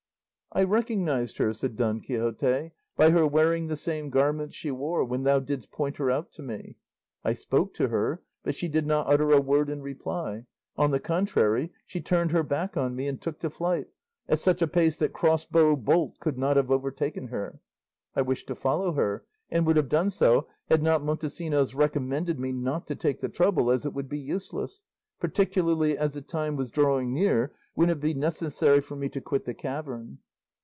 "I recognised her," said Don Quixote, "by her wearing the same garments she wore when thou didst point her out to me. I spoke to her, but she did not utter a word in reply; on the contrary, she turned her back on me and took to flight, at such a pace that crossbow bolt could not have overtaken her. I wished to follow her, and would have done so had not Montesinos recommended me not to take the trouble as it would be useless, particularly as the time was drawing near when it would be necessary for me to quit the cavern.